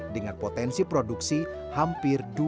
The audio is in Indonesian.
dengan potensi produksi hampir dua lima kwintal per bulan